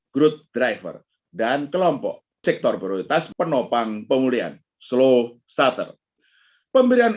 grup driver dan kelompok sektor prioritas penopang pemulihan slow starter pemberian